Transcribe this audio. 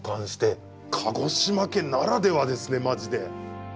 鹿児島県ならではですねマジで。